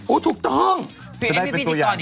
โอ้ถูกต้องจะได้เป็นตัวอย่างดี